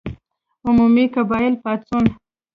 عمومي قبایلي پاڅون.